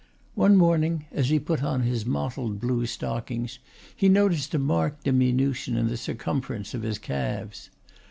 One morning, as he put on his mottled blue stockings, he noticed a marked diminution in the circumference of his calves.